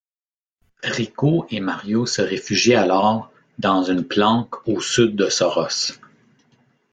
Rico et Mario se réfugient alors dans une planque au sud de Soros.